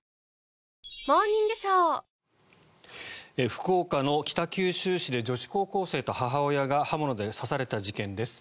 福岡の北九州市で女子高校生と母親が刃物で刺された事件です。